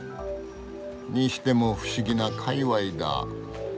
にしても不思議な界わいだ。